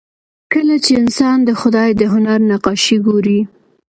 کله چې انسان د خدای د هنر نقاشي ګوري